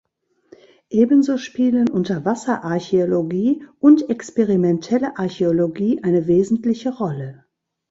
Ebenso spielen Unterwasserarchäologie und experimentelle Archäologie eine wesentliche Rolle.